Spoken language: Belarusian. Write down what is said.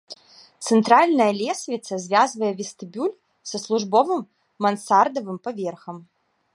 Цэнтральная лесвіца звязвае вестыбюль са службовым мансардавым паверхам.